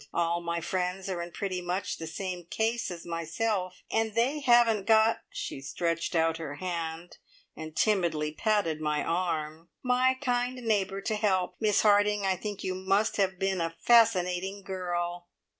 All my friends are in pretty much the same case as myself, and they haven't got" she stretched out her hand and timidly patted my arm "my kind neighbour to help. Miss Harding, I think you must have been a fascinating girl!"